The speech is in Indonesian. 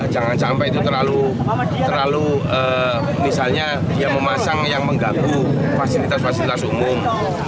dan sampai itu terlalu misalnya dia memasang yang menggabung fasilitas fasilitas umum